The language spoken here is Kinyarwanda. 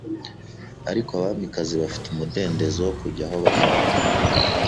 Ariko abamikazi bafite umudendezo wo kujya aho bashaka